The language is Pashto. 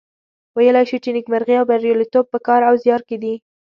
ویلای شو چې نیکمرغي او بریالیتوب په کار او زیار کې دي.